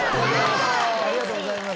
ありがとうございます。